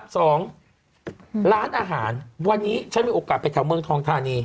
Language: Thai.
สองร้านอาหารวันนี้ฉันมีโอกาสไปแถวเมืองทองทานี